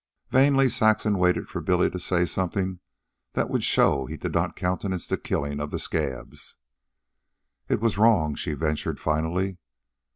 Vainly Saxon waited for Billy to say something that would show he did not countenance the killing of the scabs. "It was wrong," she ventured finally.